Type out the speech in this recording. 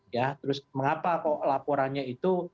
ya terus mengapa kok laporannya itu